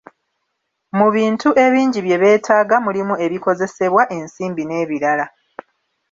Mu bintu ebingi bye beetaaga mulimu ebikozesebwa, ensimbi n'ebirala.